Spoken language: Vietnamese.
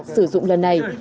sử dụng lần này